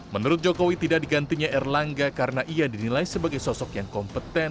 menurut jokowi tidak digantinya erlangga karena ia dinilai sebagai sosok yang kompeten